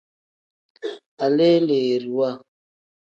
Aleleeriwa.